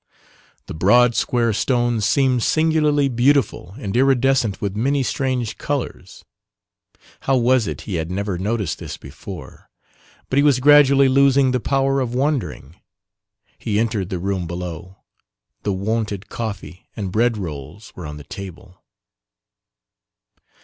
The broad square stones seemed singularly beautiful and irridescent with many strange colours how was it he had never noticed this before but he was gradually losing the power of wondering he entered the room below the wonted coffee and bread rolls were on the table.